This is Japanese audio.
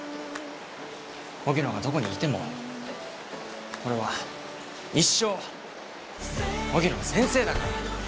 荻野がどこにいても俺は一生荻野の先生だから！